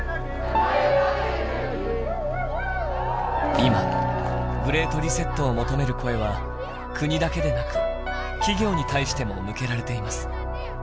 今グレート・リセットを求める声は国だけでなく企業に対しても向けられています。